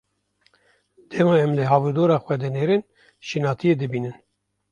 Dema em li hawîrdora xwe dinêrin şînatiyê dibînin.